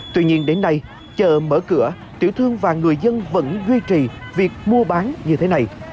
tuy nhiên đến nay chờ mở cửa tiểu thương và người dân vẫn duy trì việc mua bán như thế này